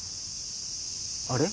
あれ？